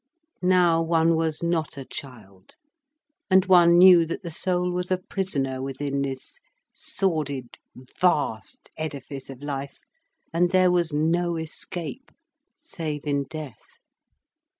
Now one was not a child, and one knew that the soul was a prisoner within this sordid vast edifice of life, and there was no escape, save in death.